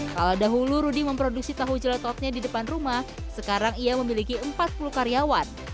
kalau dahulu rudy memproduksi tahu celetotnya di depan rumah sekarang ia memiliki empat puluh karyawan